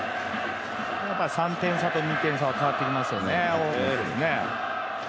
３点差と２点差は変わっていきますよね。